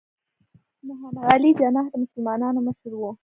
محمد علي جناح د مسلمانانو مشر و.